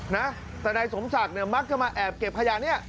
นะแต่ในสมศักดิ์มักจะมาแอบเก็บขยะนี่